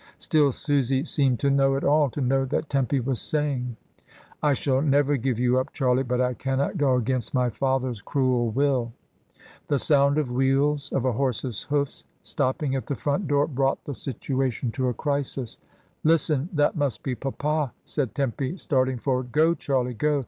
Still Susy seemed to know it all, to know that Tempy was saying, "I shall never give you up, Charlie, but I cannot go against my father's cruel will." The sound of wheels, of a horse's hoofs stop ping at the front door, brought the situation to a crisis. "Listen! That must be papa," said Tempy, starting forward. "Go, Charlie, go!